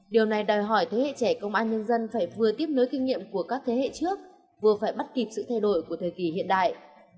điều này đòi hỏi thế hệ trẻ công an nhân dân phải vừa tiếp nối kinh nghiệm của các thế hệ trước vừa phải bắt kịp sự thay đổi của thời kỳ hiện đại